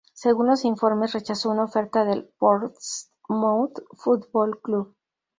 Según los informes, rechazó una oferta del Portsmouth Football Club.